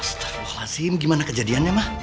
astaghfirullahaladzim gimana kejadiannya mah